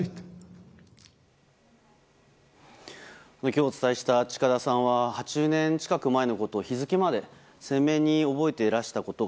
今日お伝えした近田さんは８０年近く前のことを日付まで鮮明に覚えていらしたこと。